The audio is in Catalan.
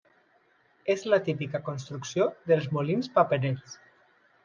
És la típica construcció dels molins paperers.